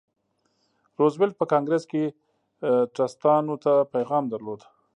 روزولټ په کانګریس کې ټرستانو ته پیغام درلود.